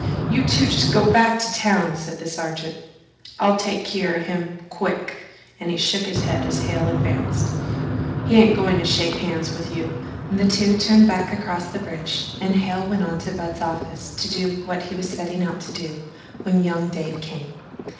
"You two just go back to town," said the sergeant. "I'll take keer of him. Quick!" and he shook his head as Hale advanced. "He ain't goin' to shake hands with you." The two turned back across the bridge and Hale went on to Budd's office to do what he was setting out to do when young Dave came.